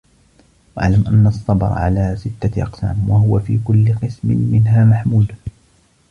وَاعْلَمْ أَنَّ الصَّبْرَ عَلَى سِتَّةِ أَقْسَامٍ ، وَهُوَ فِي كُلِّ قِسْمٍ مِنْهَا مَحْمُودٌ